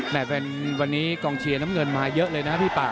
แม่แฟนวันนี้โกรธเึล์น้ำเงินมาเยอะเลยนะพี่ปาก